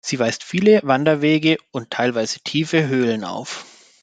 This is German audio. Sie weist viele Wanderwege und teilweise tiefe Höhlen auf.